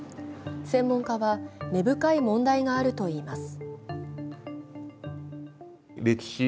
専門家は根深い問題があるといいます。